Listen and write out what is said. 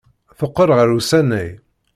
Teqqel ɣer usanay.